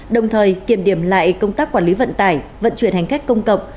đồng thời kiểm điểm lại công tác quản lý vận tải vận chuyển hành khách công cộng